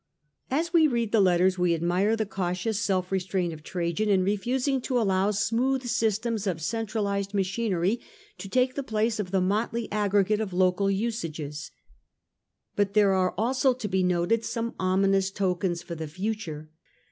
As w'C read the letters, we admire the cautious self restraint of Trajan in refusing to allow smooth systems or centra centralized machinery to take the place of lize too fast, the motlcy aggregate of local usages; but there are also to be noted some ominous tokens for the future.